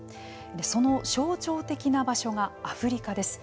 その象徴的な場所がアフリカです。